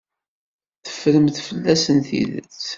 Teffremt fell-asen tidet.